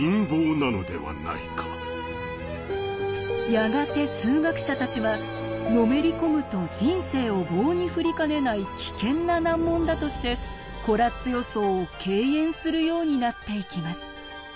やがて数学者たちはのめり込むと人生を棒に振りかねない危険な難問だとしてコラッツ予想を敬遠するようになっていきます。